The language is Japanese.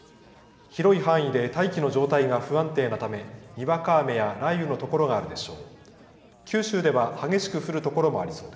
広い範囲で大気の状態が不安定なため、にわか雨や雷雨の所があるでしょう。